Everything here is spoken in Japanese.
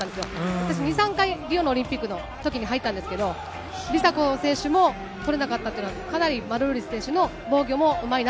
私、２、３回、リオのオリンピックのときに、入ったんですけど、梨紗子選手も取れなかったというのは、かなりマルーリス選手の防